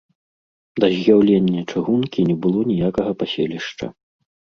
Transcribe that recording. Да з'яўлення чыгункі не было ніякага паселішча.